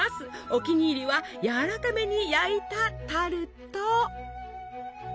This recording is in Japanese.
お気に入りはやわらかめに焼いたタルト！